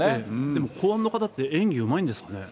でも、公安の方って、演技うまいんですかね。